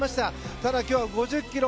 ただ、今日は５０ｋｍ。